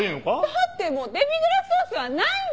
だってもうデミグラスソースはないんだよ。